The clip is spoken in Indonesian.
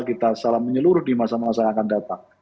kita secara menyeluruh di masa masa yang akan datang